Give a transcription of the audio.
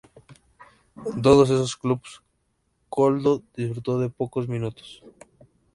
En todos esos clubes, Koldo disfrutó de pocos minutos.